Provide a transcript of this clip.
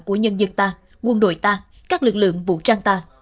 của nhân dân ta quân đội ta các lực lượng vũ trang ta